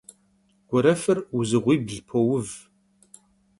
Guerefır vuzığuibl pouv.